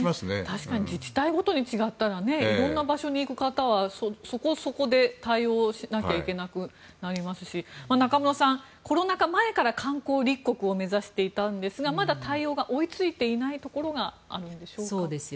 確かに自治体ごとに違ったら色んな場所に行く方はそこそこで対応しなきゃいけなくなりますし中室さん、コロナ禍前から観光立国を目指していたんですがまだ対応が追いついていないところがあるのでしょうか。